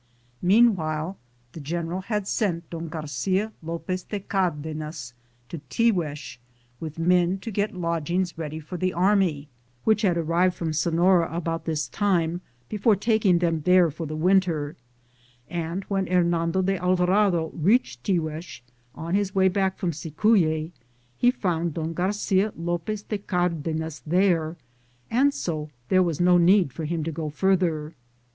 Meanwhile the general had sent Don Gar cia Lopez de Cardenas to Tiguex with men to get lodgings ready for the army, which had arrived from Sefiora about this time, before taking them there for the winter ; and when Hernando de Alvarado reached Tiguex, on his way back from Cicuye, he found Don Garcia Lopez de Cardenas there, and so there was no need for him to go farther.